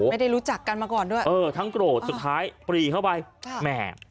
ไม่ได้รู้จักกันมาก่อนด้วยเออทั้งโกรธสุดท้ายปรีเข้าไปใช่แม่